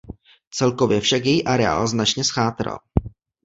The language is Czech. Celkově však její areál značně zchátral.